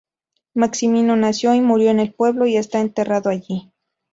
Maximino nació y murió en el pueblo, y está enterrado allí.